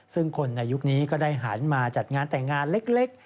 ซึ่งคนในยุคนี้ก็ได้หันมาจัดงานแต่งงานเล็ก